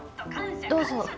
どうぞ。